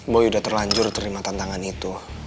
boy udah terlanjur terima tantangan itu